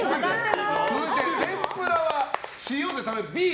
続いてＢ、天ぷらは塩で食べる。